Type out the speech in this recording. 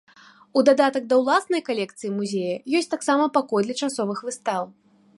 У дадатак да ўласнай калекцыі музея ёсць таксама пакой для часовых выстаў.